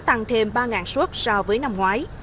tăng thêm ba xuất so với năm ngoái